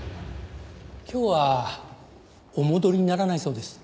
今日はお戻りにならないそうです。